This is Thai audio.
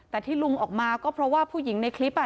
แต่ที่ลุงออกมาก็เพราะว่าผู้หญิงในคลิป